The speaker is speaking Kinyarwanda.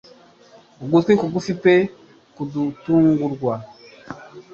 ugutwi kugufi pe kudutungurwa.